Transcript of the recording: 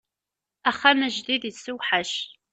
Axxam ajdid issewḥac.